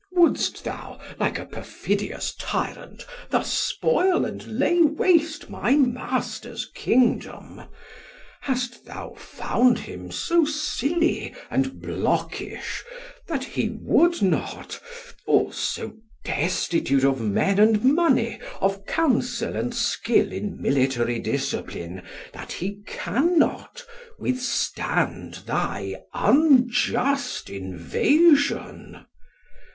Wouldst thou, like a perfidious tyrant, thus spoil and lay waste my master's kingdom? Hast thou found him so silly and blockish, that he would not or so destitute of men and money, of counsel and skill in military discipline, that he cannot withstand thy unjust invasion?